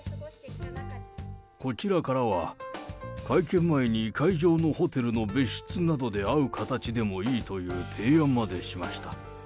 こちらからは、会見前に会場のホテルの別室などで会う形でもいいという提案までしました。